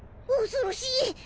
恐ろしい。